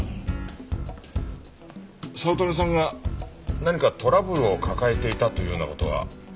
早乙女さんが何かトラブルを抱えていたというような事は？